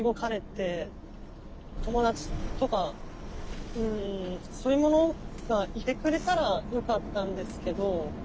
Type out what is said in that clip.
友達とかそういうものがいてくれたらよかったんですけど。